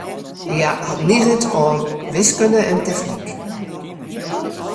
Hja hat niget oan wiskunde en technyk.